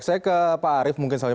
baik saya ke pak arief mungkin soalnya